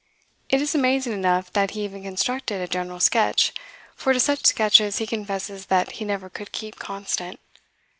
'" It is amazing enough that he even constructed "a general sketch," for to such sketches he confesses that he never could keep constant.